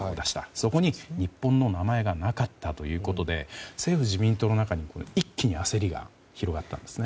そこに日本の名前がなかったということで政府・自民党の中には一気に焦りが広がったんですね。